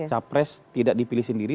capres tidak dipilih sendiri